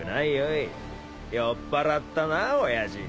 酔っぱらったな親父